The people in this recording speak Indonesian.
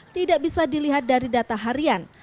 tidak bisa dilihat dari data harian